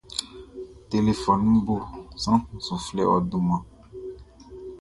Telefɔnunʼn bo, sran kun su flɛ ɔ dunmanʼn.